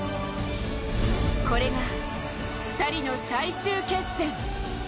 これが２人の最終決戦。